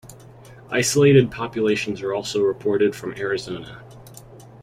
Isolated populations are also reported from Arizona.